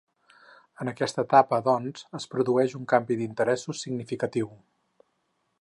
En aquesta etapa, doncs, es produeix un canvi d'interessos significatiu.